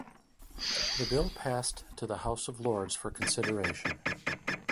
The bill passed to the House of Lords for consideration.